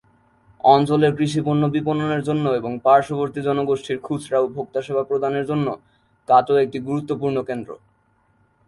অঞ্চলের কৃষি পণ্য বিপণনের জন্য এবং পার্শ্ববর্তী জনগোষ্ঠীর খুচরা ও ভোক্তা সেবা প্রদানের জন্য কাটোয়া একটি গুরুত্বপূর্ণ কেন্দ্র।